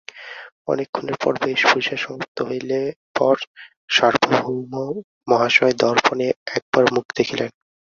অনেক ক্ষণের পর বেশভূষা সমাপ্ত হইলে পর সার্বভৌম মহাশয় দর্পণে একবার মুখ দেখিলেন।